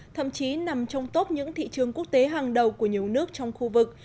thậm chí nằm trong top những thị trường quốc tế hàng đầu của nhiều nước trong khu vực